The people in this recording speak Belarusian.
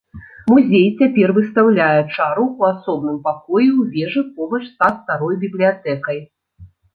Музей цяпер выстаўляе чару ў асобным пакоі ў вежы побач са старой бібліятэкай.